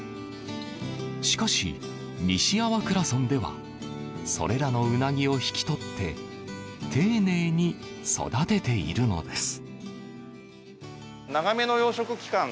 しかし西粟倉村ではそれらのうなぎを引き取って丁寧に育てているのです。